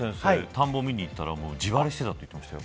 田んぼを見に行ったら地割れしてたって言ってますよ。